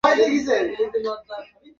বুঝতে পেরেছ, আমার পুত্র?